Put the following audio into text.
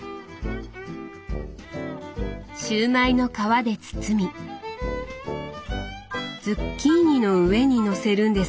シューマイの皮で包みズッキーニの上にのせるんですか？